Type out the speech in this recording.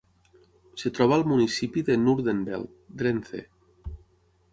Es troba al municipi de Noordenveld, Drenthe.